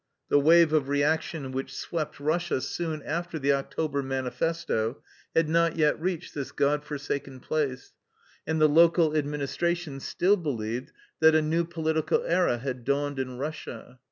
The wave of reaction which swept Kussia soon after the October mani festo had not yet reached this God forsaken place, and the local administration still believed that a new political era had dawned in Russia.